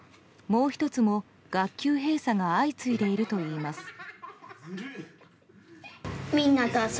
もう１つも学級閉鎖が相次いでいるといいます。